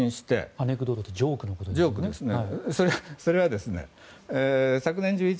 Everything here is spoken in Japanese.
アネクドートってジョークのことですよね。